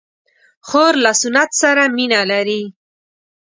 خور له سنت سره مینه لري.